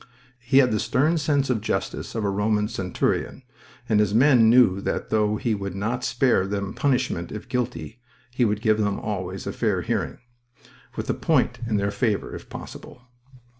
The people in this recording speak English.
He had the stern sense of justice of a Roman Centurian, and his men knew that though he would not spare them punishment if guilty, he would give them always a fair hearing, with a point in their favor, if possible.